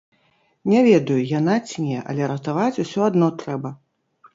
Не ведаю, яна ці не, але ратаваць усё адно трэба.